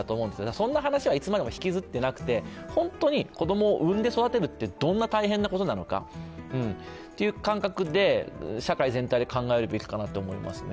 そんな話をいつまでも引きずってなくて本当に子供を産んで育てるってどんなに大変なことなのかという感覚で社会全体で考えるべきかなと思いますね。